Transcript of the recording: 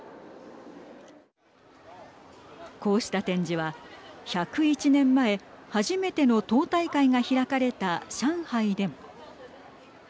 こうした展示は１０１年前、初めての党大会が開かれた上海でも。